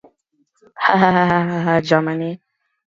Ultrasone's headquarters are located in Tutzing, Germany.